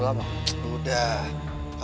gimana kalau kita aja yang cari dia